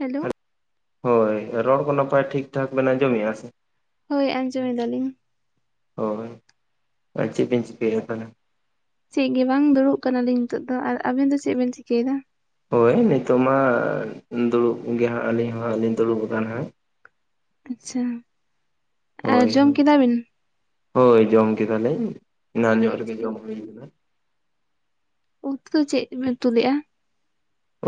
Hello ᱦᱳᱭ ᱨᱚᱲ ᱠᱚ ᱱᱟᱯᱟᱭ ᱴᱷᱤᱠ ᱴᱷᱟᱠ ᱵᱮᱱ ᱟᱸᱡᱚᱢ ᱮᱜᱼᱟ ᱥᱮ? ᱦᱳᱭ ᱟᱸᱡᱚᱢ ᱮᱫᱟ ᱞᱤᱧ ᱾ ᱦᱳᱭ ᱾ ᱪᱤ ᱵᱮᱱ ᱪᱤᱠᱟᱹᱭᱫᱟ ᱛᱟᱦᱟᱞᱮ ᱪᱮᱫ ᱜᱮ ᱵᱟᱝ ᱫᱩᱲᱩᱵ ᱟᱠᱟᱱᱟ ᱞᱤᱧ ᱱᱤᱛᱚᱜ ᱫᱚ ᱾ ᱟᱨ ᱟᱵᱮᱱ ᱫᱚ ᱪᱮᱫ ᱵᱮᱱ ᱪᱤᱠᱟᱹᱭᱮᱫᱟ? ᱦᱳᱭ ᱱᱤᱛᱚᱜ ᱢᱟ ᱫᱩᱲᱩᱵ ᱜᱮ ᱦᱟᱸᱜ ᱟᱹᱞᱤᱧ ᱦᱚᱸ ᱞᱤᱧ ᱫᱩᱲᱩᱵ ᱟᱠᱟᱱᱟ ᱦᱟᱸᱜ ᱾ ᱟᱪᱪᱷᱟ ᱟᱨ ᱦᱳᱭ ᱡᱚᱢ ᱦᱳᱭ ᱠᱮᱫᱟ ᱵᱤᱱ ᱦᱳᱭ ᱡᱚᱢ ᱠᱮᱫᱟ ᱞᱤᱧ ᱮᱱᱟᱝ ᱧᱚᱜ ᱨᱮᱜᱮ ᱡᱚᱢ ᱦᱩᱭᱱᱟ ᱩᱛᱩ ᱫᱚ ᱪᱮᱫ ᱯᱮ ᱩᱛᱩ ᱞᱮᱫᱼᱟ᱾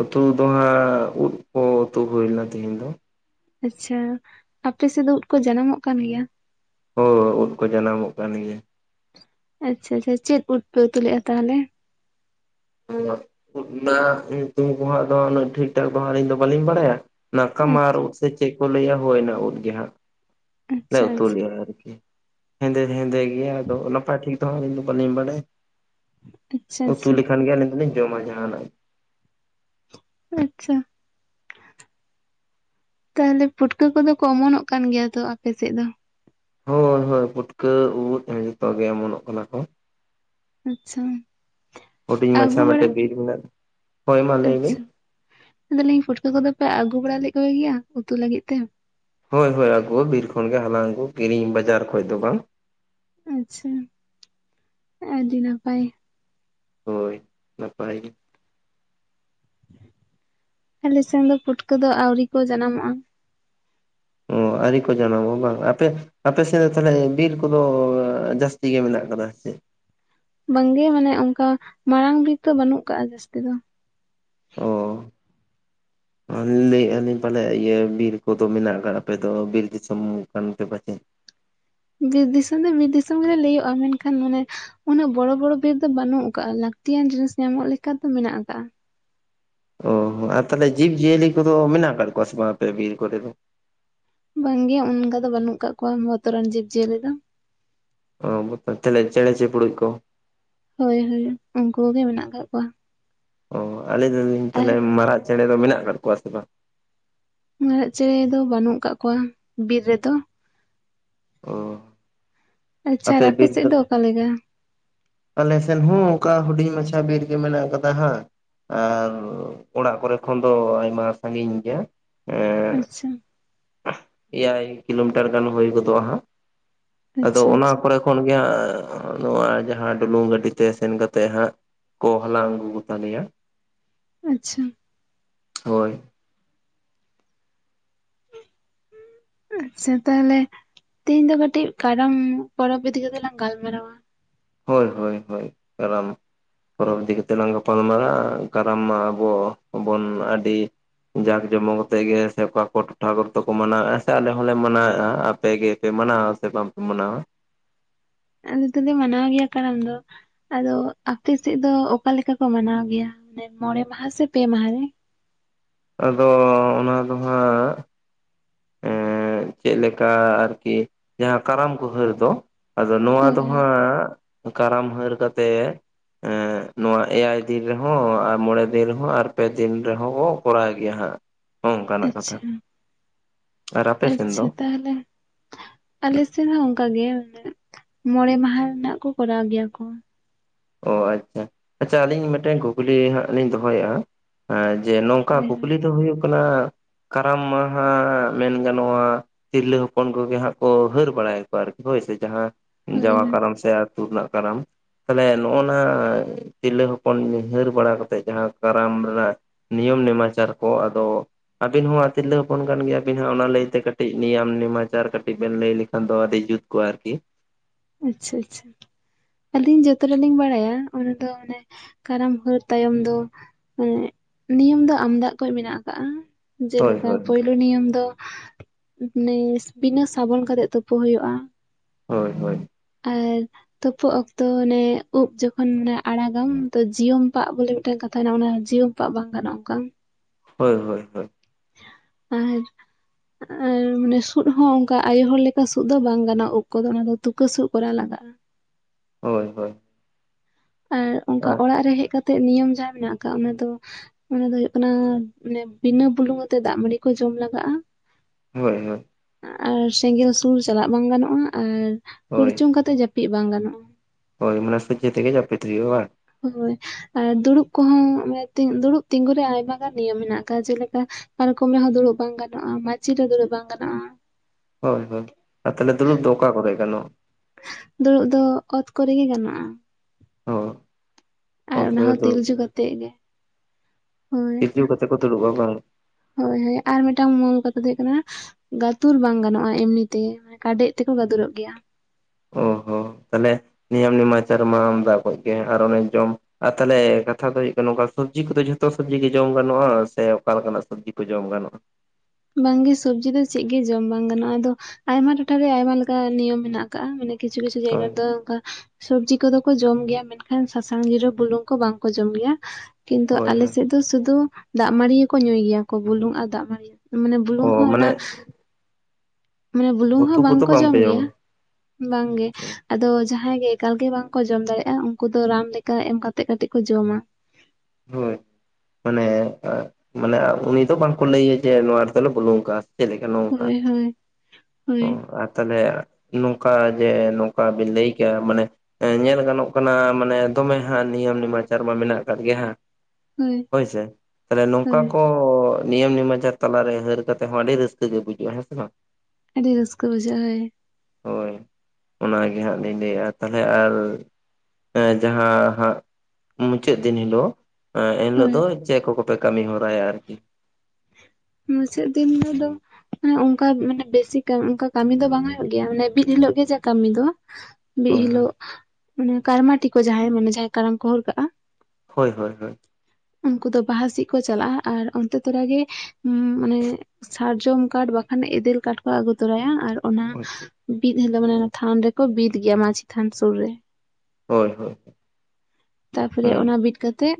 ᱩᱛᱩ ᱫᱚ ᱦᱟᱸᱜ ᱩᱫ ᱠᱚ ᱩᱛᱩ ᱦᱩᱭ ᱞᱮᱱᱟ ᱛᱮᱦᱮᱧ ᱫᱚ ᱟᱪᱪᱷᱟ ᱟᱯᱮ ᱥᱮᱫ ᱫᱚ ᱩᱫ ᱠᱚ ᱡᱟᱱᱟᱢᱚᱜ ᱠᱟᱱ ᱜᱮᱭᱟ᱾ ᱦᱳ ᱩᱫ ᱠᱚ ᱡᱟᱱᱟᱢᱚᱜ ᱠᱟᱱ ᱜᱮᱭᱟ᱾ ᱟᱪᱪᱷᱟ ᱟᱪᱷᱟ ᱪᱮᱫ ᱩᱫ ᱯᱮ ᱩᱛᱩ ᱞᱮᱫᱼᱟ ᱛᱟᱦᱚᱞᱮ ᱚᱱᱟ ᱧᱩᱛᱩᱢ ᱠᱚᱢᱟ ᱫᱚ ᱩᱱᱟᱹᱜ ᱴᱷᱤᱠ ᱴᱷᱟᱠ ᱫᱚᱦᱟᱜ ᱟᱹᱞᱤᱧ ᱫᱚ ᱵᱟᱹᱞᱤᱧ ᱵᱟᱲᱟᱭᱟ᱾ ᱱᱟᱠᱟᱢᱟᱨ ᱟᱪᱪᱷᱟ ᱩᱫ ᱥᱮ ᱪᱮᱫ ᱠᱚ ᱞᱟᱹᱭᱟ ᱦᱳᱭᱱᱟ ᱩᱫ ᱜᱮ ᱦᱟᱸᱜ ᱞᱮ ᱟᱪᱪᱷᱟ ᱟᱪᱪᱷᱟ ᱩᱛᱩᱮᱭᱟ ᱟᱨᱠᱤ ᱦᱮᱸᱫᱮ ᱦᱮᱸᱫᱮ ᱜᱮ ᱟᱫᱚ ᱱᱟᱯᱟᱭ ᱴᱷᱤᱠ ᱟᱹᱞᱤᱧ ᱫᱚ ᱵᱟᱹᱞᱤᱧ ᱵᱟᱲᱟᱭᱟ ᱟᱪᱪᱷᱟ ᱩᱛᱩ ᱟᱪᱪᱷᱟ ᱞᱮᱠᱷᱟᱱ ᱜᱮ ᱟᱹᱞᱤᱧ ᱫᱚᱞᱤᱧ ᱡᱚᱢᱟ ᱡᱟᱦᱟᱱᱟᱜ ᱜᱮ ᱟᱪᱪᱷᱟ ᱛᱟᱦᱚᱞᱮ ᱯᱩᱴᱠᱟᱹ ᱠᱚᱫᱚ ᱠᱚ ᱚᱢᱚᱱᱚᱜ ᱠᱟᱱ ᱜᱮᱭᱟ ᱛᱚ ᱟᱯᱮ ᱥᱮᱫ ᱫᱚ ᱦᱳᱭ ᱦᱳᱭ ᱯᱩᱴᱠᱟᱹ ᱩᱫ ᱡᱚᱛᱚ ᱜᱮ ᱚᱢᱚᱱᱚᱜ ᱠᱟᱱᱟ ᱠᱚ ᱟᱪᱪᱷᱟ ᱦᱚᱰᱤᱧ ᱟᱹᱜᱩ ᱢᱟᱪᱷᱟ ᱢᱤᱫ ᱵᱟᱲᱟ ᱴᱮᱱ ᱵᱤᱨ ᱢᱮᱱᱟᱜ-ᱟ᱾ ᱟᱪᱪᱷᱟ ᱟᱫᱚᱞᱤᱧ ᱯᱷᱩᱴᱠᱟᱹ ᱠᱚᱫᱚ ᱯᱮ ᱟᱹᱜᱩ ᱵᱟᱲᱟ ᱞᱮᱫ ᱠᱚᱜᱮᱭᱟ ᱩᱛᱩ ᱞᱟᱹᱜᱤᱫ ᱛᱮ ᱦᱳᱭ ᱦᱳᱭ ᱟᱹᱜᱩ ᱵᱤᱨ ᱠᱷᱚᱱ ᱜᱮ ᱦᱟᱞᱟᱝ ᱟᱹᱜᱩ ᱠᱤᱨᱤᱧ ᱵᱟᱡᱟᱨ ᱠᱷᱚᱡ ᱫᱚ ᱵᱟᱝ ᱟᱪᱪᱷᱟ ᱟᱹᱰᱤ ᱱᱟᱯᱟᱭ ᱦᱳᱭ ᱱᱟᱯᱟᱭ ᱜᱮ ᱟᱞᱮ ᱥᱮᱝ ᱫᱚ ᱯᱩᱴᱠᱟᱹ ᱫᱚ ᱟᱣᱨᱤ ᱠᱚ ᱡᱟᱱᱟᱢᱚᱜᱼᱟ᱾ ᱚ ᱟᱹᱣᱨᱤ ᱠᱚ ᱡᱟᱱᱟᱢᱚᱜ-ᱟ ᱵᱟᱝ ᱟᱯᱮ ᱟᱯᱮ ᱥᱮᱫ ᱫᱚ ᱛᱟᱦᱚᱞᱮ ᱵᱤᱨ ᱠᱚᱫᱚ ᱡᱟᱹᱥᱛᱤ ᱜᱮ ᱢᱮᱱᱟᱜ ᱟᱠᱟᱫᱟ ᱥᱮ ᱪᱮᱫ ᱵᱟᱝ ᱜᱮ ᱢᱟᱱᱮ ᱚᱱᱠᱟ ᱢᱟᱲᱟᱝ ᱵᱤᱨ ᱫᱚ ᱵᱟᱹᱱᱩᱜ ᱟᱠᱟᱜᱼᱟ ᱡᱟᱹᱥᱛᱤ ᱫᱚ ᱚᱸ ᱟᱹᱞᱤᱧ ᱞᱟᱹᱭᱮᱜ ᱟᱹᱞᱤᱧ ᱯᱟᱞᱮᱜ ᱤᱭᱟᱹ ᱵᱤᱨ ᱠᱚᱫᱚ ᱢᱮᱱᱟᱜ ᱟᱠᱟᱫᱼᱟ ᱟᱯᱮᱫᱚ ᱵᱤᱨ ᱫᱤᱥᱚᱢ ᱠᱟᱱ ᱯᱮ ᱯᱟᱪᱮᱫ ᱵᱤᱨ ᱫᱤᱥᱚᱢ ᱫᱚ ᱵᱤᱨ ᱫᱤᱥᱚᱢ ᱜᱮᱞᱮ ᱞᱟᱹᱭᱚᱜᱼᱟ ᱢᱮᱱᱠᱷᱟᱱ ᱢᱟᱱᱮ ᱩᱱᱟᱹᱜ ᱵᱚᱲᱚ ᱵᱚᱲᱚ ᱵᱤᱨ ᱫᱚ ᱵᱟᱹᱱᱩᱜ ᱟᱠᱟᱜ-ᱟ ᱞᱟᱹᱠᱛᱤᱭᱟᱱ ᱡᱤᱱᱤᱥ ᱧᱟᱢᱚᱜ ᱞᱮᱠᱟ ᱫᱚ ᱢᱮᱱᱟᱜ ᱟᱠᱟᱜᱼᱟ᱾ ᱚ ᱟᱨ ᱛᱟᱦᱚᱞᱮ ᱡᱤᱵᱽ ᱡᱤᱭᱟᱹᱞᱤ ᱠᱚᱫᱚ ᱢᱮᱱᱟᱜ ᱟᱠᱟᱫ ᱠᱚᱣᱟ ᱥᱮ ᱵᱟᱝ ᱟᱯᱮ ᱵᱤᱨ ᱠᱚᱨᱮ ᱫᱚ ᱵᱟᱝ ᱜᱮ ᱚᱱᱠᱟ ᱫᱚ ᱵᱟᱹᱱᱩᱜ ᱠᱟᱜ ᱠᱚᱣᱟ ᱵᱚᱛᱚᱨᱟᱱ ᱡᱤᱵᱽ ᱡᱤᱭᱟᱹᱞᱤ ᱫᱚ [unintelligible] ᱪᱮᱬᱮ ᱪᱩᱯᱲᱩᱡ ᱠᱚ ᱦᱳᱭ ᱦᱳᱭ ᱩᱱᱠᱩ ᱜᱮ ᱢᱮᱱᱟᱜ ᱟᱠᱟᱫ ᱠᱚᱣᱟ᱾ ᱚ ᱟᱞᱮ [inaudible] ᱟᱨ ᱛᱟᱦᱚᱞᱮ ᱢᱟᱨᱟᱜ ᱪᱮᱬᱮ ᱫᱚ ᱢᱮᱱᱟᱜ ᱟᱠᱟᱫ ᱠᱚᱣᱟ ᱥᱮ ᱵᱟᱝ ᱢᱟᱨᱟᱜ ᱪᱮᱬᱮ ᱫᱚ ᱵᱟᱹᱱᱩᱜ ᱟᱠᱟᱫ ᱠᱚᱣᱟ ᱵᱤᱨ ᱨᱮᱫᱚ ᱚ ᱟᱪᱪᱷᱟ ᱟᱨ ᱟᱯᱮ ᱵᱤᱨ ᱥᱮᱫ ᱫᱚ ᱚᱠᱟ ᱞᱮᱠᱟ ᱟᱞᱮ ᱥᱮᱱ ᱦᱚᱸ ᱚᱱᱠᱟ ᱦᱩᱰᱤᱧ ᱢᱟᱪᱷᱟ ᱵᱤᱨ ᱜᱮ ᱢᱮᱱᱟᱜ ᱟᱠᱟᱫᱟ ᱦᱟᱸᱜ ᱟᱨ ᱚᱲᱟᱜ ᱠᱚᱨᱮ ᱠᱷᱚᱱ ᱫᱚ ᱟᱭᱢᱟ ᱥᱟᱹᱜᱤᱧ ᱜᱮᱭᱟ ᱟᱪᱪᱷᱟ ᱮᱭᱟᱭ ᱠᱤᱞᱳ ᱢᱤᱴᱟᱨ ᱜᱟᱱ ᱦᱩᱭ ᱜᱚᱫᱚᱜᱼᱟ ᱦᱟᱸᱜ ᱟᱫᱚ ᱟᱪᱪᱷᱟ ᱚᱱᱟ ᱟᱪᱪᱷᱟ ᱠᱚᱨᱮ ᱠᱷᱚᱱ ᱜᱮ ᱦᱟᱸᱜ ᱱᱚᱣᱟ ᱡᱟᱦᱟ ᱰᱩᱞᱩᱝ ᱜᱟᱹᱰᱤ ᱛᱮ ᱥᱮᱱ ᱠᱟᱛᱮᱜ ᱦᱟᱸᱜ ᱠᱚ ᱦᱟᱞᱟ ᱟᱹᱜᱩ ᱠᱚᱛᱟ ᱞᱮᱭᱟ ᱟᱪᱪᱷᱟ ᱦᱳᱭ ᱟᱪᱪᱷᱟ ᱛᱟᱦᱚᱞᱮ ᱛᱮᱦᱤᱧ ᱫᱚ ᱠᱟᱹᱴᱤᱡ ᱠᱟᱨᱟᱢ ᱯᱚᱨᱚᱵ ᱤᱫᱤ ᱠᱟᱛᱮᱜ ᱞᱟᱝ ᱜᱟᱞᱢᱟᱨᱟᱣᱟ ᱦᱳᱭ ᱦᱳᱭ ᱦᱳᱭ ᱠᱟᱨᱟᱢ ᱯᱚᱨᱚᱵ ᱤᱫᱤ ᱠᱟᱛᱮ ᱞᱟᱝ ᱜᱟᱯᱟᱞᱢᱟᱨᱟ-ᱟ ᱠᱟᱨᱟᱢ ᱢᱟ ᱟᱵᱚ ᱵᱚᱱ ᱟᱹᱰᱤ ᱡᱟᱠ ᱡᱚᱢᱚ ᱠᱟᱛᱮ ᱜᱮ ᱥᱮ ᱚᱠᱟ ᱠᱚ ᱴᱚᱴᱷᱟ ᱠᱚᱨᱮ ᱫᱚᱠᱚ ᱢᱟᱱᱟᱣᱮᱫᱼᱟ ᱥᱮ ᱟᱞᱮ ᱦᱚᱸᱞᱮ ᱢᱟᱱᱟᱣᱮᱫᱼᱟ ᱟᱯᱮᱜ ᱜᱮ ᱢᱟᱱᱟᱣᱟ ᱥᱮ ᱵᱟᱝ ᱯᱮ ᱢᱟᱱᱟᱣᱟ ᱟᱞᱮ ᱫᱚᱞᱮ ᱢᱟᱱᱟᱣ ᱜᱮᱭᱟ ᱠᱟᱨᱟᱢ ᱫᱚ ᱟᱫᱚ ᱟᱯᱮ ᱥᱮᱫ ᱫᱚ ᱚᱠᱟ ᱞᱮᱠᱟ ᱠᱚ ᱢᱟᱱᱟᱣ ᱜᱮᱭᱟ ᱚᱱᱮ ᱢᱚᱬᱮ ᱢᱟᱦᱟ ᱥᱮ ᱯᱮ ᱢᱟᱦᱟ ᱨᱮ ᱟᱫᱚ ᱚᱱᱟ ᱫᱚ ᱦᱟᱸᱜ ᱮᱻ ᱪᱮᱫ ᱞᱮᱠᱟ ᱟᱨᱠᱤ ᱡᱟᱦᱟ ᱠᱟᱨᱟᱢ ᱠᱚ ᱦᱟᱹᱨ ᱫᱚ ᱟᱫᱚ ᱱᱚᱣᱟ ᱦᱳᱭ ᱫᱚ ᱦᱳᱭ ᱦᱟᱸᱜ ᱠᱟᱨᱟᱢ ᱦᱟᱹᱨ ᱠᱟᱛᱮᱫ ᱮᱸ ᱱᱚᱣᱟ ᱮᱭᱟᱭ ᱫᱤᱱ ᱨᱮᱦᱚᱸ ᱟᱨ ᱢᱚᱬᱮ ᱫᱤᱱ ᱨᱮᱦᱚᱸ ᱟᱨ ᱯᱮ ᱫᱤᱱ ᱨᱮᱦᱚᱸ ᱠᱚ ᱠᱚᱨᱟᱣ ᱜᱮᱭᱟ ᱦᱟᱸᱜ ᱚᱝᱠᱟᱱᱟᱜ ᱠᱟᱛᱷᱟ᱾ ᱟᱪᱪᱷᱟ ᱟᱨ ᱟᱯᱮ ᱥᱮᱱ ᱫᱚ ᱟᱪᱪᱷᱟ ᱛᱟᱦᱞᱮ᱾ ᱟᱞᱮ ᱥᱮᱜ ᱦᱚᱸ ᱚᱝᱠᱟ ᱜᱮ ᱢᱚᱬᱮ ᱢᱟᱦᱟ ᱨᱮᱱᱟᱜ ᱠᱚ ᱠᱚᱨᱟᱣ ᱜᱮᱭᱟ ᱠᱚ? ᱚ ᱟᱪᱪᱷᱟ, ᱟᱪᱪᱷᱟ ᱟᱹᱞᱤᱧ ᱢᱤᱫᱴᱮᱱ ᱠᱩᱠᱞᱤ ᱦᱟᱸᱜ ᱞᱤᱧ ᱫᱚᱦᱚᱭᱮᱜᱼᱟ? ᱦᱮᱸ ᱡᱮ, ᱱᱚᱝᱠᱟ ᱦᱳᱭ ᱦᱳᱭ ᱠᱩᱠᱞᱤ ᱫᱚ ᱦᱩᱭᱩᱜ ᱠᱟᱱᱟ, ᱠᱟᱨᱟᱢ ᱢᱟᱦᱟᱜ ᱢᱮᱱ ᱜᱟᱱᱚᱜᱼᱟ ᱛᱤᱨᱞᱟᱹ ᱦᱚᱯᱚᱱ ᱠᱚᱜᱮ ᱦᱟᱸᱜ ᱠᱚ ᱦᱟᱹᱨ ᱵᱟᱲᱟᱭᱟ ᱠᱚ ᱟᱨᱠᱤ ᱦᱳᱭ ᱥᱮ ᱡᱟᱦᱟ ᱦᱳᱭ ᱡᱟᱣᱟ ᱦᱳᱭ ᱠᱟᱨᱟᱢ ᱥᱮ ᱟᱹᱛᱩ ᱨᱮᱱᱟᱜ ᱠᱟᱨᱟᱢ ᱛᱟᱦᱚᱞᱮ ᱱᱚᱜᱼᱚ ᱱᱟ ᱛᱤᱨᱞᱟᱹ ᱦᱚᱯᱚᱱ ᱦᱟᱹᱨ ᱵᱟᱲᱟ ᱠᱟᱛᱮ ᱡᱟᱦᱟᱸ ᱠᱟᱨᱟᱢ ᱨᱮᱱᱟᱜ ᱱᱤᱭᱚᱢ ᱱᱮᱢᱟᱪᱟᱨ ᱠᱚ ᱟᱫᱚ ᱟᱹᱵᱤᱱ ᱦᱚᱸ ᱛᱤᱨᱞᱟᱹ ᱦᱚᱯᱚᱱ ᱠᱟᱱ ᱜᱮᱭᱟᱵᱤᱱ ᱦᱟᱸᱜ ᱚᱱᱟ ᱞᱟᱹᱭ ᱛᱮ ᱠᱟᱹᱴᱤᱡ ᱱᱤᱭᱟᱢ ᱱᱮᱢᱟ ᱪᱟᱨ ᱠᱟᱹᱴᱤᱡ ᱵᱮᱱ ᱞᱟᱹᱭ ᱞᱮᱠᱷᱟᱱ ᱫᱚ ᱟᱹᱰᱤ ᱡᱩᱛᱼᱼ ᱠᱚᱣᱟ ᱟᱨᱠᱤ᱾ ᱟᱪᱪᱷᱟ ᱟᱪᱪᱷᱟ ᱟᱹᱞᱤᱧ ᱡᱚᱛᱚ ᱴᱟ ᱞᱤᱧ ᱵᱟᱲᱟᱭᱟ ᱚᱱᱟ ᱫᱚ ᱢᱟᱱᱮᱼᱼ ᱠᱟᱨᱟᱢ ᱦᱟᱹᱨ ᱛᱟᱭᱚᱢ ᱫᱚ, ᱮᱸ ᱱᱤᱭᱚᱢ ᱫᱚ ᱟᱢᱫᱟᱜ ᱠᱳᱡ ᱢᱮᱱᱟᱜ ᱟᱠᱟᱜ-ᱟ᱾ ᱦᱳᱭ ᱡᱮᱞᱮᱠᱟ ᱦᱳᱭ [unintelligible] [unintelligible] ᱱᱤᱭᱟᱢ ᱫᱚ, ᱢᱟᱱᱮ ᱵᱤᱱᱟᱹ ᱥᱟᱵᱚᱱ ᱠᱟᱛᱮᱜ ᱛᱳᱯᱳ ᱦᱳᱭᱳᱜᱼᱟ᱾ ᱦᱳᱭ - ᱦᱳᱭ᱾ [unintelligible] ᱛᱳᱯᱳᱜ ᱚᱠᱛᱚ ᱚᱱᱮ ᱩᱵ ᱡᱚᱠᱷᱚᱱ ᱟᱲᱟᱜᱟᱢ ᱛᱚ ᱡᱤᱭᱚᱢ ᱯᱟᱜ ᱵᱚᱞᱮ ᱢᱤᱫᱴᱟᱝ ᱠᱟᱛᱷᱟ ᱦᱮᱱᱟᱜ-ᱟ, ᱚᱱᱟ ᱡᱤᱭᱚᱢ ᱯᱟᱜ ᱵᱟᱝ ᱜᱟᱱᱚᱜ-ᱟ ᱚᱱᱠᱟᱱ᱾ ᱦᱳᱭ - ᱦᱳᱭ - ᱦᱳᱭ᱾ ᱟᱨ, ‌ᱟᱨ ᱢᱟᱱᱮ ᱥᱩᱫ ᱦᱚᱸ ᱚᱱᱠᱟ ᱟᱭᱳ ᱦᱚᱲ ᱞᱮᱠᱟ ᱥᱩᱫ ᱫᱚ ᱵᱟᱝ ᱜᱟᱱᱚᱜ ᱩᱵ ᱠᱚᱫᱚ ᱚᱱᱟ ᱫᱚ ᱛᱩᱠᱟᱹ ᱥᱩᱫ ᱠᱚᱨᱟᱣ ᱞᱟᱜᱟᱜᱼᱟ᱾ ᱦᱳᱭ ᱦᱳᱭ᱾ ᱟᱨ ᱚᱱᱠᱟ ᱟᱨ ᱚᱲᱟᱜ ᱨᱮ ᱦᱮᱡ ᱠᱟᱛᱮᱫ ᱱᱤᱭᱚᱢ ᱡᱟᱦᱟᱸ ᱢᱮᱱᱟᱜ ᱟᱠᱟᱜ ᱚᱱᱟ ᱫᱚ ᱚᱱᱟ ᱫᱚ ᱦᱳᱭᱳᱜ ᱠᱟᱱᱟ, ᱢᱟᱱᱮ ᱵᱤᱱᱟᱹ ᱵᱩᱞᱩᱝ ᱟᱛᱮᱜ ᱫᱟᱜ ᱢᱟᱲᱤ ᱠᱚ ᱡᱚᱢ ᱞᱟᱜᱟᱜᱼᱟ, ᱦᱳᱭ ᱦᱳᱭ᱾ ᱟᱨ ᱥᱮᱸᱜᱮᱞ ᱥᱩᱨ ᱪᱟᱞᱟᱜ ᱵᱟᱝ ᱜᱟᱱᱚᱜᱼᱟ, ᱟᱨ ᱦᱳᱭ ᱠᱩᱲᱪᱩᱝ ᱠᱟᱛᱮᱜ ᱡᱟᱹᱯᱤᱫ ᱵᱟᱝ ᱜᱟᱱᱚᱜᱼᱟ᱾ ᱦᱳᱭ ᱢᱟᱱᱮ ᱥᱚᱡᱮ ᱛᱮ ᱜᱮ ᱡᱟᱯᱤᱛ ᱦᱳᱭᱳᱜ ᱵᱟ? ᱦᱳᱭ, ᱟᱨ ᱫᱩᱲᱩᱵ ᱠᱚᱦᱚᱸ ᱚᱱᱮ ᱛᱤ, ᱫᱩᱲᱩᱵ ᱛᱤᱸᱜᱩ ᱨᱮ ᱟᱭᱢᱟ ᱜᱟᱱ ᱱᱤᱭᱚᱢ ᱢᱮᱱᱟᱜ ᱟᱠᱟᱜ-ᱟ᱾ ᱡᱮᱞᱮᱠᱟ ᱯᱟᱨᱠᱚᱢ ᱨᱮᱦᱚᱸ ᱫᱩᱲᱩᱵ ᱵᱟᱝ ᱜᱟᱱᱚᱜᱼᱟ, ᱢᱟᱹᱪᱷᱤ ᱨᱮ ᱫᱩᱲᱩᱵ ᱵᱟᱝ ᱜᱟᱱᱚᱜᱼᱟ᱾ ᱦᱳᱭ - ᱦᱳᱭ ᱟᱨ ᱛᱟᱦᱞᱮ ᱫᱩᱲᱩᱵ ᱫᱚ ᱚᱠᱟ ᱠᱚᱨᱮ ᱜᱟᱱᱚᱜ ᱫᱩᱲᱩᱵ ᱫᱚ ᱚᱛ ᱠᱚᱨᱮ ᱜᱮ ᱜᱟᱱᱚᱜᱼᱟ᱾ ᱦᱚ᱾ ᱟᱨ ᱚᱛ ᱚᱱᱟ ᱠᱚᱨᱮ ᱦᱚᱸ ᱫᱩᱲᱩᱵ ᱛᱤᱞᱡᱩ ᱠᱟᱱᱟ, ᱠᱟᱛᱮᱜ ᱜᱮ ᱦᱳᱭ ᱛᱤᱡᱞᱩ ᱠᱟᱛᱮ ᱠᱚ ᱫᱩᱲᱩᱵ-ᱟ ᱵᱟᱝ? ᱦᱳᱭ ᱦᱳᱭ, ᱟᱨ ᱢᱤᱫᱴᱟᱝ ᱢᱩᱞ ᱠᱟᱛᱷᱟ ᱫᱚ ᱦᱳᱭᱳᱜ ᱠᱟᱱᱟ, ᱜᱟᱛᱩᱨ ᱵᱟᱝ ᱜᱟᱱᱚᱜᱼᱟ ᱮᱢᱱᱤ ᱛᱮ, ᱢᱟᱱᱮ ᱠᱟᱰᱮᱡ ᱛᱮᱠᱚ ᱜᱟᱫᱩᱨᱚᱜ ᱜᱮᱭᱟ᱾ ᱚ ᱦᱚ, ᱛᱟᱦᱞᱮ ᱱᱤᱭᱟᱹᱢ ᱱᱮᱢᱟᱪᱟᱨ ᱢᱟ ᱟᱢᱫᱟ ᱚᱠᱚᱡ ᱜᱮ ᱟᱨ ᱚᱱᱮ ᱡᱚᱢ ᱟᱨ ᱛᱟᱦᱞᱮ ᱠᱟᱛᱷᱟ ᱫᱚ ᱦᱩᱭᱩᱜ ᱠᱟᱱᱟ ᱱᱚᱝᱠᱟ ᱥᱚᱵᱡᱤ ᱠᱚᱫᱚ ᱡᱷᱚᱛᱚ ᱡᱷᱚᱛᱚ ᱥᱚᱵᱡᱤ ᱜᱮ ᱡᱚᱢ ᱜᱟᱱᱚᱜᱼᱟ, ᱫᱚ ᱥᱮ ᱚᱠᱟ ᱞᱮᱠᱟᱱᱟᱜ ᱥᱚᱵᱡᱤ ᱠᱚ ᱡᱚᱢ ᱜᱟᱱᱚᱜᱼᱟ? ᱵᱟᱝᱜᱮ, ᱥᱚᱵᱡᱤ ᱫᱚ ᱪᱮᱫ ᱜᱮ ᱡᱚᱢ ᱵᱟᱝ ᱜᱟᱱᱚᱜᱼᱟ ᱾ᱟᱫᱚ ᱟᱭᱢᱟ ᱴᱚᱴᱷᱟᱨᱮ ᱟᱭᱢᱟ ᱞᱮᱠᱟ ᱱᱤᱭᱚᱢ ᱢᱮᱱᱟᱜ ᱟᱠᱟᱜ-ᱟ ᱢᱟᱱᱮ ᱠᱤᱪᱷᱩ-ᱠᱤᱪᱷᱩ ᱦᱳᱭ ᱡᱟᱭᱜᱟᱨᱮ ᱫᱚ ᱚᱱᱠᱟ ᱥᱚᱵᱡᱤ ᱠᱚᱫᱚ ᱠᱚ ᱡᱚᱢ ᱜᱮᱭᱟ ᱢᱮᱱᱠᱷᱟᱱ ᱥᱟᱥᱟᱝ ᱡᱤᱨᱟᱹ ᱵᱩᱞᱩᱝ ᱠᱚ ᱵᱟᱝ ᱠᱚ ᱡᱚᱢ ᱜᱮᱭᱟ, ᱠᱤᱱᱛᱩ ᱦᱳᱭ ᱟᱞᱮ ᱦᱳᱭ ᱥᱮᱫ ᱫᱚ ᱛᱚ ᱥᱩᱫᱩ ᱫᱟᱜᱢᱟᱹᱲᱤ ᱜᱮᱠᱚ ᱧᱩᱭ ᱜᱮᱭᱟ ᱠᱚ ᱵᱩᱞᱩᱝ ᱟᱨ ᱫᱟᱜ ᱢᱟᱰᱤ, ᱢᱟᱱᱮ ᱵᱩᱞᱩᱝ ᱚ ᱦᱚᱸ ᱚᱱᱟ ᱢᱟᱱᱮ ᱢᱟᱱᱮ ᱵᱩᱞᱩᱝ ᱩᱛᱩ ᱦᱚᱸ ᱠᱚᱫᱚ ᱵᱟᱝᱠᱚ ᱡᱚᱢ ᱵᱟᱝᱯᱮ ᱡᱚᱢᱟ ᱜᱮᱭᱟ ᱵᱟᱝᱜᱮ, ᱟᱫᱚ ᱡᱟᱦᱟᱸᱭ ᱜᱮ ᱮᱠᱟᱞᱜᱮ ᱵᱟᱝᱠᱚ ᱡᱚᱢ ᱫᱟᱲᱮᱭᱟᱜᱼᱟ, ᱩᱱᱠᱩ ᱫᱚ ᱨᱟᱱ ᱞᱮᱠᱟ ᱮᱢ ᱠᱟᱛᱮᱜ ᱠᱟᱹᱴᱤᱡ ᱠᱚ ᱡᱚᱢᱟ᱾ ᱦᱳᱭ ᱢᱟᱱᱮ ᱢᱟᱱᱮ ᱩᱱᱤ ᱫᱚ ᱵᱟᱝᱠᱚ ᱞᱟᱹᱭᱟ ᱡᱮ ᱱᱚᱣᱟ ᱨᱮᱫᱚᱞᱮ ᱵᱩᱞᱩᱝ ᱟᱠᱟᱜᱼᱟ ᱪᱮᱫ ᱞᱮᱠᱟ ᱱᱚᱝᱠᱟ ᱦᱳᱭ ᱦᱳᱭ ᱚ ᱦᱳᱭ ᱟᱨ ᱛᱟᱦᱚᱞᱮ ᱱᱚᱝᱠᱟ ᱡᱮ ᱱᱚᱝᱠᱟ ᱵᱤᱱ ᱞᱟᱹᱭ ᱠᱮᱭᱟ ᱢᱟᱱᱮ ᱧᱮᱞ ᱜᱟᱱᱚᱜ ᱠᱟᱱᱟ ᱢᱟᱱᱮ ᱫᱚᱢᱮ ᱦᱟᱸᱜ ᱱᱤᱭᱚᱢ ᱱᱤᱢᱟᱪᱟᱨ ᱢᱟ ᱢᱮᱱᱟᱜ ᱟᱠᱟᱫ ᱜᱮᱭᱟ ᱦᱟᱸᱜ ᱦᱳᱭ ᱦᱳᱭᱥᱮ ᱛᱟᱦᱚᱞᱮ ᱱᱚᱝᱠᱟ ᱦᱳᱭ ᱠᱚ ᱱᱤᱭᱚᱢ ᱱᱮᱢᱟᱪᱟᱨ ᱛᱟᱞᱟᱨᱮ ᱦᱟᱹᱨ ᱠᱟᱛᱮᱜ ᱦᱚᱸ ᱟᱹᱰᱤ ᱨᱟᱹᱥᱠᱟᱹ ᱜᱮ ᱵᱩᱡᱷᱟᱹᱜᱼᱟ ᱦᱮᱸ ᱥᱮ ᱵᱟᱝ ᱟᱹᱰᱤ ᱨᱟᱹᱥᱠᱟᱹ ᱵᱩᱡᱷᱟᱹᱜ ᱟ ᱦᱚᱭ ᱦᱳᱭ ᱚᱱᱟᱜᱮ ᱦᱟᱸᱜ ᱞᱤᱧ ᱞᱟᱹᱭᱮᱫᱼᱟ ᱛᱟᱦᱚᱞᱮ ᱟᱨ ᱡᱟᱦᱟᱸ ᱦᱟᱸᱜ ᱢᱩᱪᱟᱹᱫ ᱫᱤᱱ ᱦᱤᱞᱳᱜ ᱮ ᱮᱱᱦᱤᱞᱳᱜ ᱦᱳᱭ ᱫᱚ ᱪᱮᱫ ᱠᱚᱠᱚᱯᱮ ᱠᱟᱹᱢᱤ ᱦᱚᱨᱟᱭᱟ ᱟᱨᱠᱤ ᱢᱩᱪᱟᱹᱫ ᱫᱤᱱ ᱦᱤᱞᱳᱜ ᱫᱚ ᱢᱟᱱᱮ ᱚᱝᱠᱟ ᱢᱟᱱᱮ ᱵᱮᱥᱤ ᱠᱟ ᱚᱝᱠᱟ ᱠᱟᱹᱢᱤ ᱫᱚ ᱵᱟᱝ ᱦᱳᱭᱳᱜ ᱜᱮᱭᱟ, ᱢᱟᱱᱮ ᱵᱤᱫ ᱦᱤᱞᱳᱜ ᱜᱮ ᱡᱟ ᱠᱟᱹᱢᱤ ᱫᱚ᱾ ᱵᱤᱜ ᱦᱳᱭ ᱦᱤᱞᱳᱜ ᱢᱟᱱᱮ ᱠᱟᱨᱢᱟᱴᱤ ᱠᱚ ᱡᱟᱦᱟᱸᱭ ᱢᱟᱱᱮ ᱡᱟᱦᱟᱸᱭ ᱠᱟᱨᱟᱢ ᱠᱚ ᱦᱚᱨ [inaudible] ᱠᱟᱜᱼᱟ ᱦᱳᱭ ᱦᱳᱭ ᱦᱳᱭ ᱩᱱᱠᱩ ᱫᱚ ᱵᱟᱦᱟ ᱥᱤᱜ ᱠᱚ ᱪᱟᱞᱟᱜᱼᱟ ᱟᱨ ᱚᱱᱛᱮ ᱛᱚᱨᱟᱜᱮ ᱢᱟᱱᱮ ᱥᱟᱨᱡᱚᱢ ᱠᱟᱴ ᱵᱟᱠᱷᱟᱱ ᱮᱫᱮᱞ ᱠᱟᱴ ᱠᱚ ᱟᱹᱜᱩ ᱛᱚᱨᱟᱭᱟ ᱟᱨ ᱚᱱᱟ ᱵᱤᱫ ᱦᱤᱞᱳᱜ ᱢᱟᱱᱮ ᱚᱱᱟ ᱛᱷᱟᱱ ᱨᱮᱠᱚ ᱵᱤᱫ ᱜᱮᱭᱟ ᱢᱟᱡᱷᱤ ᱛᱷᱟᱱ ᱥᱩᱨ ᱨᱮ ᱦᱳᱭ ᱦᱳᱭ ᱛᱟᱯᱚᱨᱮ ᱦᱩᱸ ᱚᱱᱟ ᱵᱤᱫ ᱠᱟᱛᱮᱜ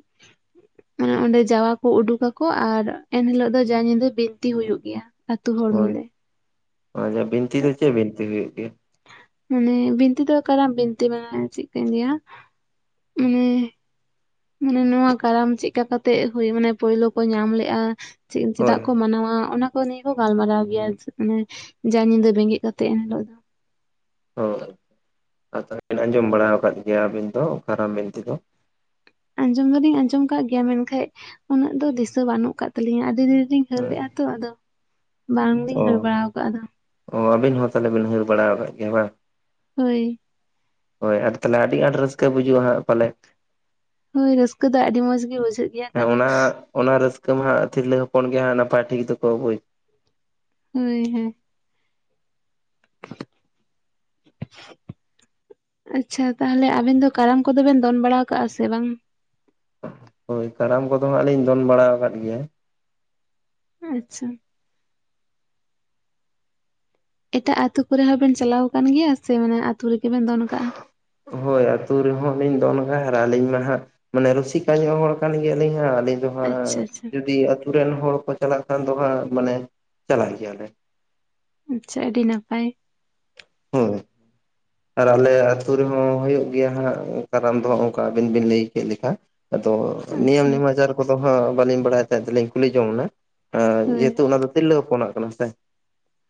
ᱢᱟᱱᱮ ᱚᱸᱰᱮ ᱡᱟᱣᱟ ᱠᱚ ᱩᱰᱩᱠᱟᱠᱚ ᱟᱨ ᱮᱱᱦᱤᱞᱚᱜ ᱫᱚ ᱡᱟ ᱧᱤᱫᱟᱹ ᱵᱤᱱᱛᱤ ᱦᱩᱭᱩᱜ ᱜᱮᱭᱟ ᱟᱹᱛᱩ ᱦᱚᱲ ᱢᱤᱞᱮ ᱟᱪᱪᱷᱟ [inaudible] ᱵᱤᱱᱛᱤ ᱫᱚ ᱪᱮᱫ ᱵᱤᱱᱛᱤ ᱦᱩᱭᱩᱜ ᱜᱮᱭᱟ ᱢᱟᱱᱮ ᱵᱤᱱᱛᱤ ᱫᱚ ᱠᱟᱨᱟᱢ ᱵᱤᱱᱛᱤ ᱢᱟᱱᱮ ᱪᱮᱜ ᱠᱟᱧ ᱞᱟᱭᱟ ᱢᱟᱱᱮ ᱢᱟᱱᱮ ᱱᱚᱣᱟ ᱠᱟᱨᱟᱢ ᱪᱮᱜᱠᱟ ᱠᱟᱛᱮᱜ ᱦᱩᱭ ᱢᱟᱱᱮ ᱯᱳᱭᱞᱳ ᱠᱚ ᱧᱟᱢ ᱞᱮᱜᱼᱟ [inaudible] ᱦᱳᱭ ᱪᱮᱫᱟᱜ ᱠᱚ ᱢᱟᱱᱟᱣᱟ ᱚᱱᱟ ᱠᱚ ᱱᱤᱭᱟᱹ ᱠᱚ ᱜᱟᱞᱢᱟᱨᱟᱣ ᱜᱮᱭᱟ ᱚᱱᱮ [inaudible] ᱡᱟ ᱧᱤᱫᱟᱹ ᱵᱮᱸᱜᱮᱫ ᱠᱟᱛᱮᱫ ᱮᱱᱦᱤᱞᱳᱜ ᱫᱚ ᱦᱳᱭ ᱟ ᱛᱟᱦᱵᱤᱱ [inaudible] ᱟᱸᱡᱚᱢ ᱵᱟᱲᱟ ᱣᱟᱠᱟᱫ ᱜᱮᱭᱟ ᱟᱵᱤᱱ ᱫᱚ ᱚᱠᱟᱨᱟᱢ ᱵᱤᱱᱛᱤ ᱫᱚ ᱟᱸᱡᱚᱢ ᱫᱚᱞᱤᱧ ᱟᱸᱡᱚᱢ ᱠᱟᱜ ᱜᱮᱭᱟ ᱢᱮᱱᱠᱷᱟᱡ ᱩᱱᱟᱹᱜ ᱫᱚ ᱫᱤᱥᱟᱹ ᱵᱟᱹᱱᱩᱜ ᱠᱟᱜ ᱛᱟᱹᱞᱤᱧᱟ ᱟᱰᱤ ᱫᱤᱱ [inaudible] ᱦᱟᱹᱨ ᱦᱳᱭ ᱞᱮᱜᱼᱟ ᱛᱚ ᱟᱫᱚ ᱚ ᱵᱟᱝᱞᱤᱧ ᱦᱟᱹᱨ ᱵᱟᱲᱟ ᱣᱟᱠᱟᱜ ᱟᱫᱚ ᱚ ᱟᱵᱤᱱ ᱦᱚᱸ ᱛᱟᱦᱚᱞᱮ ᱵᱤᱱ ᱦᱟᱹᱨ ᱵᱟᱲᱟ ᱣᱟᱠᱟᱫ ᱜᱮᱭᱟ ᱵᱟᱝ ᱦᱳᱭ ᱦᱳᱭ ᱟ ᱛᱟᱦᱚᱞᱮ ᱟᱹᱰᱤ ᱟᱸᱴ ᱨᱟᱹᱥᱠᱟᱹ ᱵᱩᱡᱩᱜᱼᱟ ᱦᱟᱸᱜ ᱯᱟᱞᱮ ᱦᱳᱭ ᱨᱟᱹᱥᱠᱟᱹ ᱫᱚ ᱟᱹᱰᱤ ᱢᱚᱸᱡᱽ ᱜᱮ ᱵᱩᱡᱷᱟᱹᱜ ᱜᱮᱭᱟ ᱦᱮᱸ ᱠᱟᱨᱚᱱ ᱚᱱᱟ ᱚᱱᱟ ᱨᱟᱹᱥᱠᱟᱹ ᱢᱟ ᱦᱟᱸᱜ ᱛᱤᱨᱞᱟᱹ ᱦᱚᱯᱚᱱ ᱜᱮ ᱦᱟᱸᱜ ᱱᱟᱯᱟᱭ ᱴᱷᱤᱠ ᱫᱚᱠᱚ ᱵᱩᱡ ᱦᱳᱭ ᱦᱮᱸ [inaudible] ᱟᱪᱪᱷᱟ ᱛᱟᱦᱞᱮ ᱟᱵᱮᱱ ᱫᱚ ᱠᱟᱨᱟᱢ ᱠᱚᱫᱚ ᱵᱮᱱ ᱫᱚᱱ ᱵᱟᱲᱟ ᱠᱟᱜᱼᱟ ᱥᱮ ᱵᱟᱝ ᱦᱳᱭ ᱠᱟᱨᱟᱢ ᱠᱚᱫᱚ ᱦᱟᱸᱜ ᱞᱤᱧ ᱫᱚᱱ ᱵᱟᱲᱟ ᱟᱠᱟᱫ ᱜᱮᱭᱟ ᱟᱪᱪᱷᱟ ᱮᱴᱟᱜ ᱟᱛᱩ ᱠᱚᱨᱮ ᱦᱚᱸᱵᱮᱱ ᱪᱟᱞᱟᱣ ᱟᱠᱟᱱ ᱜᱮᱭᱟ ᱥᱮ ᱢᱟᱱᱮ ᱟᱛᱩ ᱨᱮᱜᱮ ᱵᱮᱱ ᱫᱚᱱ ᱠᱟᱜ-ᱟ᱾ ᱦᱳᱭ ᱟᱛᱩ ᱨᱮᱦᱚᱸ ᱞᱤᱧ ᱫᱚᱱᱜᱟ ᱟᱨ ᱟᱹᱞᱤᱧ ᱢᱟ ᱦᱟᱸᱜ ᱢᱟᱱᱮ ᱨᱩᱥᱤᱠᱟᱹ ᱧᱚᱜ ᱦᱚᱲ ᱠᱟᱱ ᱜᱮᱭᱟᱞᱤᱧ ᱦᱟᱸᱜ ᱟᱹᱞᱤᱧ ᱟᱪᱪᱷᱟ ᱟᱪᱪᱷᱟ ᱡᱚᱦᱟᱨᱟᱭ᱾ᱡᱩᱫᱤ ᱟᱛᱳ ᱨᱮᱱ ᱦᱚᱲ ᱠᱚ ᱪᱟᱞᱟᱜ ᱠᱷᱟᱱ ᱫᱚ ᱦᱟᱸᱜ ᱢᱟᱱᱮ ᱪᱟᱞᱟᱜ ᱜᱮᱭᱟᱞᱮ ᱟᱪᱪᱷᱟ᱾ ᱟᱹᱰᱤ ᱱᱟᱯᱟᱭ ᱦᱮᱸ ᱟᱨ ᱟᱞᱮ ᱟᱹᱛᱩ ᱨᱮᱦᱚᱸ ᱦᱩᱭᱩᱜ ᱜᱮᱭᱟ ᱦᱟᱸᱜ ᱠᱟᱨᱟᱢ ᱫᱚ ᱚᱱᱠᱟ ᱟᱹᱵᱤᱱ ᱵᱤᱱ ᱞᱟᱹᱭ ᱠᱮᱫ ᱞᱮᱠᱟ ᱟᱫᱚ ᱱᱤᱭᱚᱢ ᱟᱪᱪᱷᱟ ᱱᱮᱢᱟᱪᱟᱨ ᱠᱚᱫᱚ ᱦᱟᱸᱜ ᱵᱟᱹᱞᱤᱧ ᱵᱟᱲᱟᱭ ᱛᱮᱫ ᱫᱚ ᱞᱤᱧ ᱡᱚᱝᱱᱟ ᱦᱳᱭ ᱡᱮᱦᱮᱛᱩ ᱚᱱᱟ ᱫᱚ ᱛᱤᱨᱞᱟᱹ ᱦᱚᱯᱚᱱᱟᱜ ᱠᱟᱱᱟ ᱥᱮ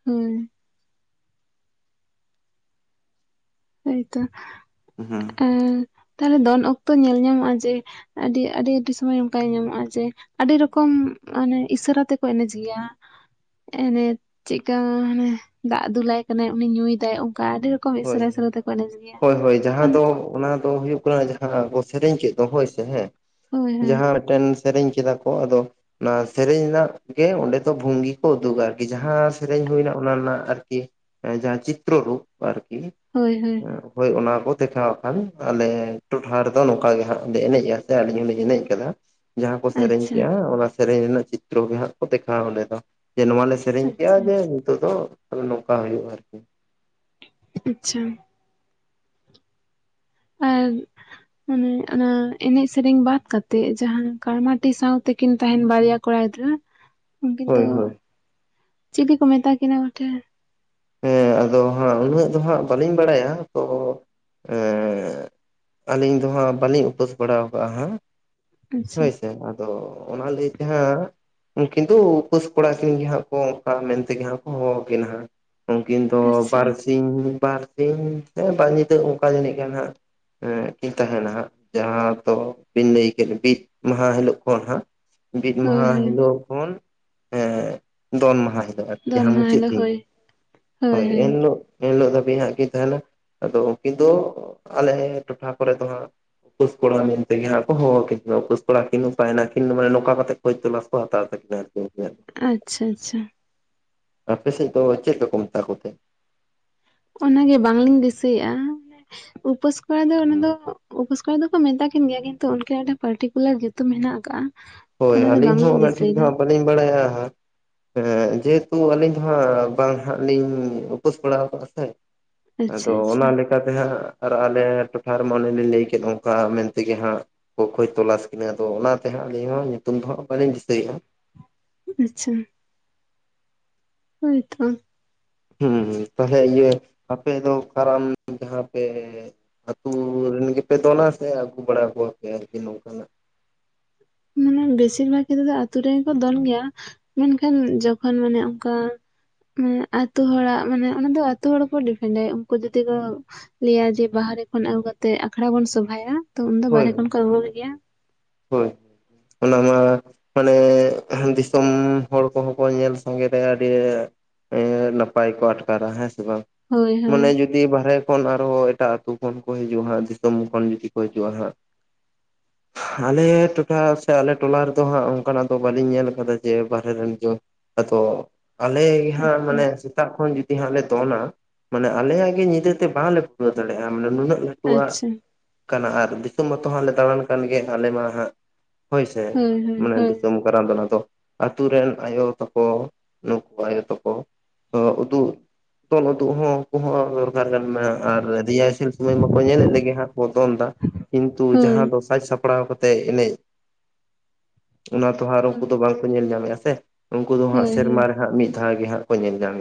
[unintelligible] ᱦᱟᱭᱛᱚ᱾ᱛᱟᱦᱚᱞᱮ ᱫᱚᱱ ᱚᱠᱛᱚ ᱧᱮᱞ ᱧᱟᱢᱚᱜᱼᱟ ᱡᱮ ᱟᱹᱰᱤ ᱟᱹᱰᱤ ᱟᱹᱰᱤ ᱥᱚᱢᱚᱭ ᱱᱚᱝᱠᱟ ᱟᱸᱡᱚᱢᱚᱜᱼᱟ ᱡᱮ ᱟᱹᱰᱤ ᱨᱚᱠᱚᱢ ᱢᱟᱱᱮ ᱤᱥᱟᱹᱨᱟ ᱛᱮᱠᱚ ᱮᱱᱮᱡ ᱜᱮᱭᱟ᱾ ᱚᱱᱮ ᱪᱮᱫᱠᱟ ᱢᱟᱱᱮ ᱫᱟᱜ ᱫᱩᱞᱟᱭ ᱠᱟᱱᱟᱭ ᱩᱱᱤ ᱧᱩᱭᱫᱟᱭ ᱚᱱᱠᱟ ᱟᱹᱰᱤ ᱨᱚᱠᱚᱢ ᱦᱳᱭ ᱤᱥᱟᱹᱨᱟ ᱤᱥᱟᱹᱨᱟ ᱛᱮᱠᱚ ᱮᱱᱮᱡ ᱜᱮᱭᱟ ᱦᱳᱭ ᱦᱳᱭ ᱡᱟᱦᱟᱸ ᱢᱟᱱᱮ ᱫᱚ ᱚᱱᱟ ᱫᱚ ᱦᱩᱭᱩᱜ ᱠᱟᱱᱟ ᱾ᱡᱟᱦᱟᱸ ᱠᱚ ᱥᱮᱨᱮᱧ ᱠᱮᱫ ᱫᱚ ᱦᱳᱭ ᱥᱮ, ᱦᱮᱸ ᱦᱳᱭ ᱦᱳᱭ ᱡᱟᱦᱟᱸ ᱢᱤᱫᱴᱮᱱ ᱥᱮᱨᱮᱧ ᱠᱮᱫᱟ ᱠᱚ ᱟᱫᱚ ᱚᱱᱟ ᱥᱮᱨᱮᱧ ᱨᱮᱱᱟᱜ ᱜᱮ ᱚᱸᱰᱮ ᱫᱚ ᱵᱷᱝᱜᱤ ᱠᱚ ᱩᱫᱩᱜᱟ ᱟᱨᱠᱤ᱾ ᱡᱟᱦᱟᱸ ᱥᱮᱨᱮᱧ ᱦᱩᱭᱱᱟ ᱚᱱᱟ ᱨᱮᱱᱟᱜ ᱟᱨᱠᱤ᱾ ᱡᱟᱦᱟᱸ ᱪᱤᱛᱨᱚ ᱨᱩᱯ ᱟᱨᱠᱤ ᱦᱳᱭ ᱦᱳᱭ ᱦᱳᱭ ᱚᱱᱟ ᱠᱚ ᱫᱮᱠᱷᱟᱣ ᱠᱷᱟᱱ ᱟᱞᱮ ᱦᱚᱭ ᱚᱱᱟ ᱠᱚ ᱫᱮᱠᱷᱟᱣᱼᱟ᱾ᱟᱞᱮ ᱴᱚᱴᱷᱟ ᱨᱮᱫᱚ ᱱᱚᱝᱠᱟ ᱜᱮ ᱦᱟᱸᱜ ᱞᱮ ᱮᱱᱮᱡᱼᱟ ᱥᱮ ᱟᱹᱞᱤᱧ ᱦᱚᱸᱞᱤᱧ ᱮᱱᱮᱡ ᱟᱠᱟᱫᱟ᱾ ᱡᱟᱦᱟᱸ ᱠᱚ ᱥᱮᱨᱮᱧ ᱟᱪᱪᱷᱟ ᱠᱮᱜᱼᱟ᱾ ᱚᱱᱟ ᱥᱮᱨᱮᱧ ᱨᱮᱱᱟᱜ ᱪᱤᱛᱨᱚ ᱜᱮ ᱦᱟᱸᱜ ᱠᱚ ᱫᱮᱠᱷᱟᱣᱟ᱾ ᱚᱸᱰᱮ ᱫᱚ ᱡᱮ ᱱᱚᱣᱟ ᱞᱮ ᱥᱮᱨᱮᱧ ᱠᱮᱜᱼᱟ ᱟᱪᱪᱷᱟ ᱡᱮ ᱟᱪᱪᱷᱟ ᱱᱤᱛᱚᱜ ᱫᱚ ᱱᱚᱝᱠᱟ ᱦᱩᱭᱩᱜᱼᱟ ᱟᱨᱠᱤ ᱟᱪᱪᱷᱟ᱾ ᱟᱨ ᱢᱟᱱᱮ ᱚᱱᱟ ᱮᱱᱮᱡ ᱥᱮᱨᱮᱧ ᱵᱟᱫ ᱠᱟᱛᱮᱜ ᱡᱟᱦᱟᱸ ᱠᱟᱲᱢᱟᱴᱤ ᱥᱟᱶᱛᱮᱠᱤᱱ ᱛᱟᱦᱮᱱ ᱵᱟᱨᱭᱟ ᱠᱚᱲᱟ ᱜᱤᱫᱽᱨᱟᱹ᱾ᱩᱱᱠᱤᱱ ᱫᱚ ᱦᱳᱭ ᱦᱳᱭ ᱪᱤᱞᱤ ᱠᱚ ᱢᱮᱛᱟ ᱠᱤᱱᱟ ᱵᱚᱴᱷᱮ? ᱦᱮᱸ ᱟᱫᱚ ᱦᱟᱸᱜ ᱩᱱᱟᱹᱜ ᱫᱚ ᱦᱟᱸᱜ ᱵᱟᱹᱞᱤᱧ ᱵᱟᱲᱟᱭᱟ ᱛᱚ ᱟᱹᱞᱤᱧ ᱫᱚ ᱦᱟᱸᱜ ᱵᱟᱹᱞᱤᱧ ᱩᱯᱟᱹᱥ ᱵᱟᱲᱟᱠᱟᱜᱼᱟ ᱦᱟᱜ ᱟᱪᱪᱷᱟ ᱦᱳᱭ ᱥᱮ᱾ ᱟᱫᱚ ᱚᱱᱟ ᱞᱟᱹᱭ ᱛᱮ ᱦᱟᱸᱜ ᱩᱱᱠᱤᱱ ᱫᱚ ᱩᱯᱟᱹᱥ ᱠᱚᱲᱟ ᱠᱤᱱ ᱜᱮ ᱦᱟᱸᱜ ᱠᱚ ᱚᱱᱠᱟ ᱢᱮᱱᱛᱮᱜᱮ ᱦᱟᱸᱜ ᱠᱚ ᱦᱚᱦᱚᱣᱟᱠᱤᱱᱟ ᱦᱟᱸᱜ᱾ ᱩᱱᱠᱤᱱ ᱫᱚ ᱟᱪᱪᱷᱟ ᱵᱟᱨᱥᱤᱧ ᱵᱟᱨᱫᱤᱱ ᱵᱟᱨ ᱧᱤᱫᱟᱹ ᱚᱱᱠᱟ ᱡᱟᱹᱱᱤᱡ ᱜᱮ ᱦᱟᱸᱜ ᱠᱤᱱ ᱛᱟᱦᱮᱱᱟ ᱦᱟᱸᱜ᱾ ᱡᱟᱦᱟᱸ ᱫᱚ ᱵᱤᱱ ᱞᱟᱹᱭ ᱠᱮᱫ ᱵᱤᱫ ᱢᱟᱦᱟ ᱦᱤᱞᱚᱜ ᱠᱷᱚᱱ ᱦᱟᱸᱜ ᱵᱤᱫ ᱦᱳᱭ ᱢᱟᱦᱟ ᱦᱳᱭ ᱦᱤᱞᱳᱜ ᱠᱷᱚᱱ ᱫᱚᱱ ᱢᱟᱦᱟ ᱦᱤᱞᱳᱜ ᱟᱨᱠᱤ ᱫᱚᱱ ᱡᱟᱦᱟᱸ ᱢᱟᱦᱟ ᱢᱩᱪᱟᱹᱫ ᱦᱤᱞᱳᱜ ᱫᱤᱱ᱾ ᱦᱳᱭ ᱦᱳᱭ᱾ ᱮᱱ ᱦᱤᱞᱚᱜ ᱮᱱᱦᱤᱞᱳᱜ ᱫᱷᱟᱹᱵᱤᱡ ᱦᱟᱜ ᱠᱤᱱ ᱛᱟᱦᱮᱱᱟ᱾ ᱟᱫᱚ ᱩᱱᱠᱤᱱ ᱫᱚ ᱟᱞᱮ ᱴᱚᱴᱷᱟ ᱠᱚᱨᱮ ᱫᱚ ᱦᱟᱸᱜ ᱩᱯᱟᱹᱥ ᱠᱚᱲᱟ ᱢᱮᱱᱛᱮ ᱜᱮ ᱦᱟᱸᱜ ᱠᱚ ᱦᱚᱦᱚ ᱟᱹᱠᱤᱱ ᱠᱟᱱᱟ᱾ ᱩᱯᱟᱹᱥ ᱠᱚᱲᱟ ᱠᱤᱱ ᱚᱠᱟᱭ ᱱᱟ ᱠᱤᱱ ᱢᱟᱱᱮ ᱱᱚᱝᱠᱟ ᱠᱟᱛᱮ ᱠᱷᱚᱡᱽ ᱛᱚᱞᱟᱥ ᱠᱚ ᱦᱟᱛᱟᱣ ᱛᱟᱠᱤᱱᱟ ᱟᱨᱠᱤ ᱩᱱᱠᱤᱱᱟᱜ᱾ ᱫᱚ ᱟᱪᱪᱷᱟ ᱟᱪᱪᱷᱟ᱾ ᱟᱯᱮ ᱥᱮᱫ ᱫᱚ ᱪᱮᱫ ᱞᱮᱠᱟ ᱠᱚ ᱢᱮᱛᱟ ᱠᱚ ᱛᱮ᱾ ᱚᱱᱟᱜ ᱜᱮ ᱵᱟᱝᱞᱤᱧ ᱫᱤᱥᱟᱹᱭᱮᱫᱼᱟ ᱩᱯᱟᱹᱥ ᱠᱚᱲᱟ ᱫᱚ, ᱚᱱᱟ ᱫᱚ ᱩᱯᱟᱹᱥ ᱠᱚᱲᱟ ᱫᱚᱠᱚ ᱢᱮᱛᱟ ᱠᱤᱱ ᱜᱮᱭᱟ᱾ ᱠᱤᱱᱛᱩ ᱩᱱᱠᱤᱱ ᱟᱜ ᱢᱤᱫᱴᱟᱝ ᱯᱟᱨᱴᱤᱠᱩᱞᱟᱨ ᱧᱩᱛᱩᱢ ᱫᱚ ᱢᱮᱱᱟᱜ ᱟᱠᱟᱫᱼᱟ᱾ ᱦᱳᱭ᱾ ᱚᱱᱟ ᱟᱹᱞᱤᱧ ᱦᱚᱸ ᱩᱱᱟᱹᱜ ᱴᱷᱤᱠ ᱫᱚ ᱦᱟᱜ ᱵᱟᱹᱞᱤᱧ ᱵᱟᱲᱟᱭᱟ ᱦᱟᱸᱜ᱾ ᱦᱮᱸ ᱡᱮᱦᱮᱛᱩ ᱟᱹᱞᱤᱧ ᱫᱚ ᱦᱟᱜ ᱵᱟᱝ ᱦᱟᱜ ᱞᱤᱧ ᱩᱯᱟᱹᱥ ᱵᱟᱲᱟ ᱟᱠᱟᱫᱟ ᱥᱮ᱾ ᱟᱪᱪᱷᱟ ᱟᱫᱚ ᱟᱪᱪᱷᱟ ᱚᱱᱟ ᱞᱮ ᱞᱮᱠᱟᱛᱮ ᱦᱟᱸᱜ ᱟᱨ ᱟᱞᱮ ᱴᱚᱴᱷᱟ ᱨᱮᱢᱟ ᱚᱱᱮ ᱞᱤᱧ ᱞᱟᱹᱭ ᱠᱮᱫ ᱚᱱᱠᱟ ᱢᱮᱱᱛᱮᱜᱮ ᱦᱟᱸᱜ ᱠᱚ ᱠᱷᱚᱡᱽ ᱛᱚᱞᱟᱥ ᱠᱤᱱᱟᱹ᱾ᱟᱫᱚ ᱚᱱᱟ ᱛᱮ ᱦᱟᱸᱜ ᱟᱹᱞᱤᱧ ᱦᱚᱸ ᱧᱩᱛᱩᱢ ᱫᱚ ᱦᱟᱸᱜ ᱵᱟᱹᱞᱤᱧ ᱫᱤᱥᱟᱹᱭᱮᱫᱼᱟ᱾ ᱟᱪᱪᱷᱟ᱾ ᱦᱳᱭ ᱛᱚ᱾ ᱦᱩᱸ ᱛᱟᱞᱦᱮ ᱤᱭᱟᱹ ᱟᱯᱮ ᱫᱚ ᱠᱟᱨᱟᱢ ᱡᱟᱦᱟᱸ ᱯᱮ ᱟᱹᱛᱩ ᱨᱮᱱ ᱜᱮᱯᱮ ᱫᱚᱞᱟ ᱥᱮ ᱟᱹᱜᱩ ᱵᱟᱲᱟ ᱠᱚᱣᱟᱯᱮ ᱟᱨᱠᱤ ᱱᱚᱝᱠᱟᱱᱟᱜ᱾ ᱢᱟᱱᱮ ᱵᱮᱥᱤᱨ ᱵᱷᱟᱜᱽ ᱠᱷᱮᱛᱨᱮ ᱫᱚ ᱟᱛᱩ ᱨᱮᱜᱮᱠᱚ ᱫᱚᱱ ᱜᱮᱭᱟ ᱢᱮᱱᱠᱷᱟᱱ ᱡᱚᱠᱷᱚᱱ ᱢᱟᱱᱮ ᱚᱝᱠᱟ ᱢᱟᱱᱮ ᱟᱛᱳ ᱦᱚᱲᱟᱜ ᱢᱟᱱᱮ ᱚᱱᱟ ᱫᱚ ᱟᱛᱳ ᱦᱚᱲ ᱚᱯᱚᱨ ᱰᱤᱯᱮᱱᱰᱟᱭ ᱩᱱᱠᱩ ᱡᱩᱫᱤ ᱠᱚ ᱞᱟᱹᱭᱟ ᱡᱮ ᱵᱟᱦᱨᱮ ᱠᱷᱚᱱ ᱟᱹᱜᱩ ᱠᱟᱛᱮᱜ ᱟᱠᱷᱲᱟ ᱵᱚᱱ ᱥᱚᱵᱷᱟᱭᱟ ᱛᱚ ᱩᱱᱫᱚ ᱦᱳᱭ ᱵᱟᱦᱨᱮ ᱠᱷᱚᱱ ᱠᱚ ᱟᱹᱜᱩ ᱠᱚᱜᱮᱭᱟ᱾ ᱦᱳᱭ ᱚᱱᱟ ᱢᱟ ᱢᱟᱱᱮ ᱫᱤᱥᱚᱢ ᱦᱚᱲ ᱠᱚᱦᱚᱸ ᱠᱚ ᱧᱮᱞ ᱥᱟᱸᱜᱮᱩᱟ ᱟᱹᱰᱤ ᱮᱸ ᱱᱟᱯᱟᱭ ᱠᱚ ᱟᱴᱠᱟᱨᱟ ᱦᱮᱸ ᱥᱮ ᱵᱟᱝ᱾ ᱦᱳᱭ ᱦᱳᱭ ᱢᱟᱱᱮ ᱡᱩᱫᱤ ᱵᱟᱨᱦᱮ ᱠᱷᱚᱱ ᱟᱨᱦᱚᱸ ᱮᱴᱟᱜ ᱟᱹᱛᱩ ᱠᱷᱚᱱ ᱠᱚ ᱦᱤᱡᱩᱜᱼᱟ ᱦᱟᱸᱜ ᱫᱤᱥᱚᱢ ᱠᱷᱚᱱ ᱡᱩᱫᱤ ᱠᱚ ᱦᱤᱡᱩᱜ-ᱟ ᱦᱟᱸᱜ᱾ ᱟᱞᱮ ᱴᱚᱴᱷᱟ ᱥᱮ ᱟᱞᱮ ᱴᱚᱞᱟ ᱨᱮᱫᱚ ᱦᱟᱸᱜ ᱚᱝᱠᱟᱱᱟᱜ ᱫᱚ ᱵᱟᱞᱤᱧ ᱧᱮᱞ ᱠᱟᱫᱟ ᱡᱮ ᱵᱟᱨᱦᱮ ᱨᱮᱱ ᱡᱮ ᱟᱫᱚ ᱟᱞᱮ ᱜᱮ ᱦᱟᱸᱜ ᱟᱪᱪᱷᱟ ᱢᱟᱱᱮ ᱥᱮᱛᱟᱜ ᱠᱷᱚᱱ ᱡᱩᱫᱤ ᱦᱟᱸᱜ ᱞᱮ ᱫᱚᱱᱟ ᱢᱟᱱᱮ ᱟᱞᱮᱭᱟᱜ ᱜᱮ ᱧᱤᱫᱟᱹ ᱛᱮ ᱵᱟᱝᱞᱮ ᱯᱩᱨᱟᱹᱣ ᱫᱟᱲᱮᱭᱟᱜ ᱢᱮ ᱱᱩᱱᱟᱹᱜ ᱞᱟᱹᱴᱩᱣᱟᱜ ᱟᱪᱪᱷᱟ ᱠᱟᱱᱟ ᱟᱨ ᱫᱤᱥᱚᱢ ᱢᱚᱛᱚ ᱦᱟᱸᱜ ᱞᱮ ᱫᱟᱬᱟᱱ ᱠᱟᱱ ᱜᱮᱭᱟ ᱟᱞᱮ ᱢᱟ ᱦᱟᱸᱜ ᱦᱳᱭᱥᱮ ᱦᱳᱭ ᱦᱳᱭ ᱢᱟᱱᱮ ᱦᱳᱭ ᱫᱤᱥᱚᱢ [unintelligible] ᱫᱚ ᱚᱱᱟ ᱫᱚ ᱟᱛᱩ ᱨᱮᱱ ᱟᱭᱳ ᱛᱟᱠᱚ ᱱᱩᱠᱩ ᱟᱭᱳ ᱛᱟᱠᱚ ᱩᱫᱩᱜ ᱫᱚᱱ ᱩᱫᱩᱜ ᱦᱚᱸ ᱩᱝᱠᱩ ᱦᱚᱸ [unintelligible] ᱟᱨ ᱨᱤᱭᱟᱭᱥᱮᱞ ᱢᱟᱠᱚ ᱧᱮᱞᱮᱫ ᱞᱮᱜᱮ ᱦᱟᱸᱜ ᱠᱚ ᱫᱚᱱᱫᱟ, ᱠᱤᱱᱛᱩ ᱦᱳᱭ ᱡᱟᱦᱟᱸ ᱫᱚ ᱥᱟᱡᱽ ᱥᱟᱯᱲᱟᱣ ᱠᱟᱛᱮᱫ ᱮᱱᱮᱡ ᱚᱱᱟ ᱛᱚ ᱦᱟᱸᱜ ᱟᱨ ᱩᱝᱠᱩ ᱦᱳᱭ ᱫᱚ ᱵᱟᱝ ᱧᱮᱞ ᱧᱟᱢᱮᱜᱼᱟ ᱥᱮ, ᱩᱝᱠᱩ ᱫᱚ ᱦᱟᱸᱜ ᱦᱳᱭ ᱦᱳᱭ ᱥᱮᱨᱢᱟ ᱨᱮ ᱦᱟᱸᱜ ᱢᱤᱫ ᱫᱷᱟᱣ ᱜᱮ ᱦᱟᱸᱜ ᱠᱚ ᱧᱮᱞ ᱧᱟᱢᱮᱜᱼᱟ